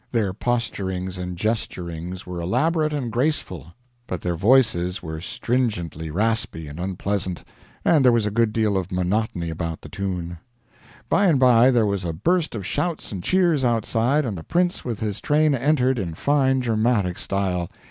Their posturings and gesturings were elaborate and graceful, but their voices were stringently raspy and unpleasant, and there was a good deal of monotony about the tune. By and by there was a burst of shouts and cheers outside and the prince with his train entered in fine dramatic style.